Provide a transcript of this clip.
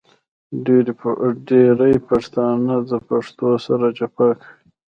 ډېری پښتانه د پښتو سره جفا کوي .